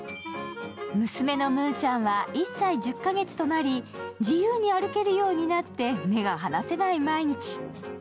娘のむーちゃんは１歳１０か月となり自由に歩けるようになって目が離せない毎日。